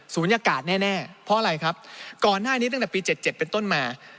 ยากาศแน่เพราะอะไรครับก่อนหน้านี้ตั้งแต่ปี๗๗เป็นต้นมา